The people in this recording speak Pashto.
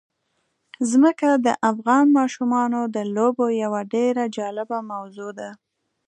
ځمکه د افغان ماشومانو د لوبو یوه ډېره جالبه موضوع ده.